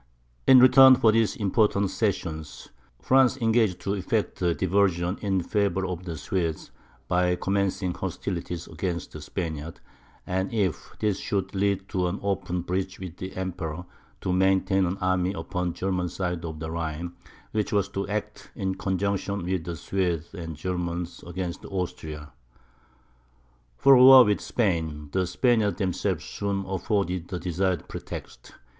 In return for these important cessions, France engaged to effect a diversion in favour of the Swedes, by commencing hostilities against the Spaniards; and if this should lead to an open breach with the Emperor, to maintain an army upon the German side of the Rhine, which was to act in conjunction with the Swedes and Germans against Austria. For a war with Spain, the Spaniards themselves soon afforded the desired pretext.